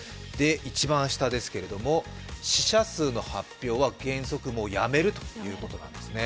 一番下ですけれども死者数の発表は原則やめるということです。